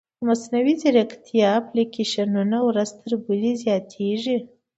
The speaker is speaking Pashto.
د مصنوعي ځیرکتیا اپلیکیشنونه ورځ تر بلې زیاتېږي.